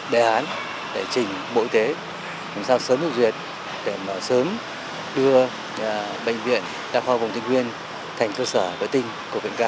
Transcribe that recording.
để sớm đưa bệnh viện đa khoa vùng tây nguyên thành cơ sở vệ tinh của viện ca